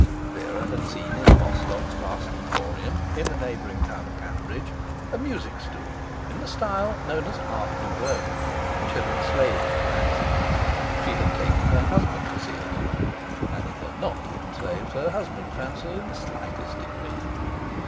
Vera had seen in Bostock's vast emporium in the neighbouring town of Hanbridge, a music stool in the style known as art nouveau, which had enslaved her fancy. She had taken her husband to see it, and it had not enslaved her husband's fancy in the slightest degree.